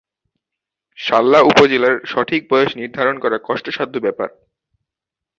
শাল্লা উপজেলার সঠিক বয়স নির্ধারন করা কষ্টসাধ্য ব্যাপার।